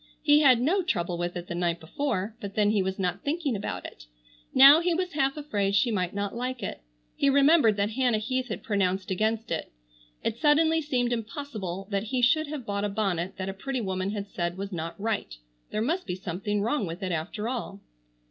He had no trouble with it the night before, but then he was not thinking about it. Now he was half afraid she might not like it. He remembered that Hannah Heath had pronounced against it. It suddenly seemed impossible that he should have bought a bonnet that a pretty woman had said was not right. There must be something wrong with it after all.